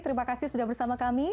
terima kasih sudah bersama kami